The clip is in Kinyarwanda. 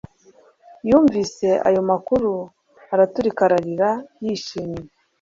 Yumvise ayo makuru araturika arira yishimye